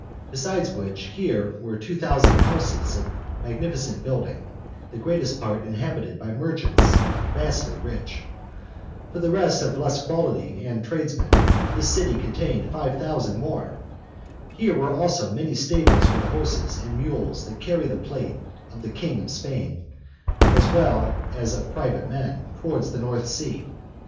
Besides which, here were two thousand houses of magnificent building, the greatest part inhabited by merchants vastly rich. For the rest of less quality, and tradesmen, this city contained five thousand more. Here were also many stables for the horses and mules that carry the plate of the king of Spain, as well as private men, towards the North Sea.